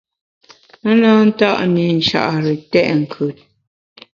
A na nta’ mi Nchare tèt nkùt.